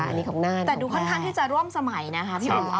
อันนี้ของน่านแต่ดูค่อนข้างที่จะร่วมสมัยนะคะพี่บุ๋ม